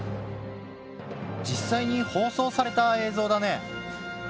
実際に放送された映像だね。